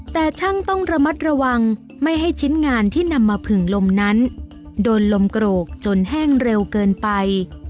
แต่ช่างต้องระมัดระวังไม่ให้ชิ้นงานที่นำมาผึ่งลมนั้นโดนลมโกรกจนแห้งเร็วเกินไป